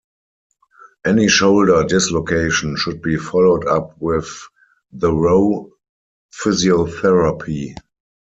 Any shoulder dislocation should be followed up with thorough physiotherapy.